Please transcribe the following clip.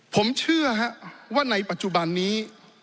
ผมเชื่อว่าในปัจจุบันนี้